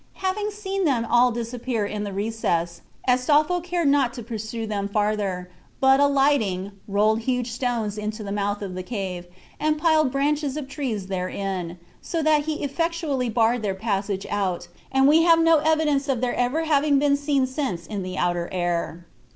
Having seen them all disappear in the recess, Astolpho cared not to pursue them farther, but alighting, rolled huge stones into the mouth of the cave, and piled branches of trees therein, so that he effectually barred their passage out, and we have no evidence of their ever having been seen since in the outer air.